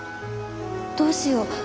どうしよう？